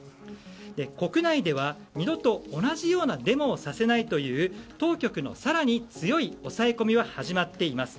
国内では、二度と同じようなデモをさせないという当局の更に強い抑え込みは始まっています。